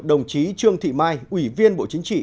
đồng chí trương thị mai ủy viên bộ chính trị